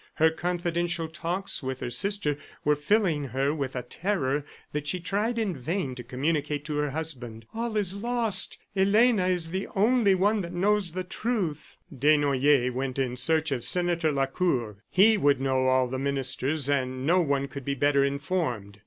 Her confidential talks with her sister were filling her with a terror that she tried in vain to communicate to her husband. "All is lost. ... Elena is the only one that knows the truth." Desnoyers went in search of Senator Lacour. He would know all the ministers; no one could be better informed.